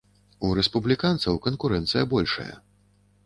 У рэспубліканцаў канкурэнцыя большая.